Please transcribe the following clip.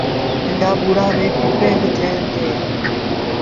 ننڍآن ٻوڙآن ميݩ پپيٚن با ٿئيٚݩ ديٚݩ۔